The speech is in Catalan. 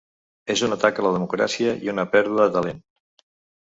És un atac a la democràcia i una pèrdua de talent.